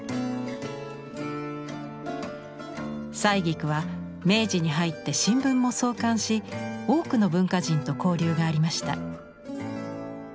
採菊は明治に入って新聞も創刊し多くの文化人と交流がありました。